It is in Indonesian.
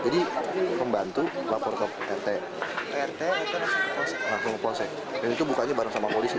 dan itu bukanya bareng sama polisi